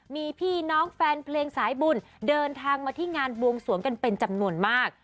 มีพี่น้องแฟนเพลงสายบุญเดินทางมาที่งานบวงสวงกันเป็นจำนวนมาก